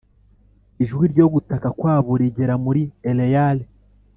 Ijwi ryo gutaka kwabo rigera muri Eleyale